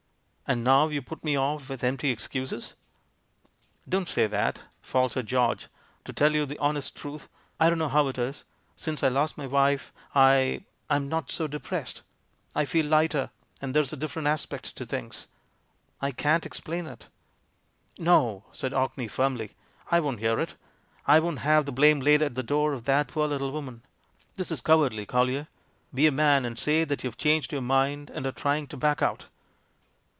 And now you put me off with empty excuses." "Don't say that," faltered George. "To tell you the honest truth — I don't know how it is — since I lost my wife I — I'm not so depressed. I feel lighter, and there's a different aspect to things. I can't explain it." "No!" said Orkney, firmly, "I won't hear it. I won't have the blame laid at the door of that poor little woman. This is cowardly. Collier. Be a man and say that you've changed your mind and are trying to back out."